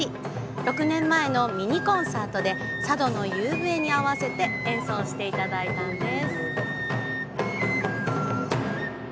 ６年前のミニコンサートで「佐渡の夕笛」に合わせて演奏していただいたんです。